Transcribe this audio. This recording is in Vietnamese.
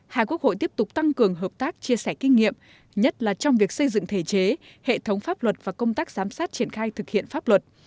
hai quốc hội tiếp tục tăng cường hợp tác chia sẻ kinh nghiệm nhất là trong việc xây dựng thể chế hệ thống pháp luật và công tác giám sát triển khai thực hiện pháp luật